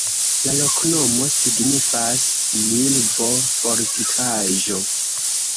La loknomo signifas: milvo-fortikaĵo.